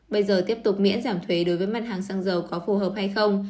bây giờ tiếp tục miễn giảm thuế đối với mặt hàng xăng dầu có phù hợp hay không